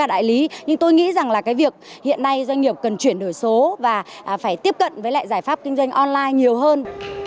đại lý nhưng tôi nghĩ rằng là cái việc hiện nay doanh nghiệp cần chuyển đổi số và phải tiếp cận với lại giải pháp kinh doanh online nhiều hơn